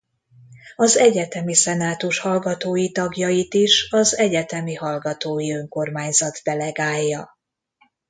Az Egyetemi Szenátus hallgatói tagjait is az Egyetemi Hallgatói Önkormányzat delegálja.